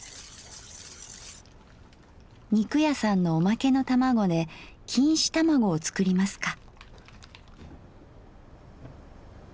肉屋さんのおまけの卵で錦糸卵を作りますか。